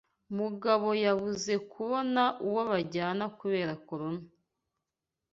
Mugabo yabuze kubona uwo bajyana kubera corona.